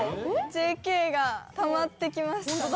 ＪＫがたまってきました。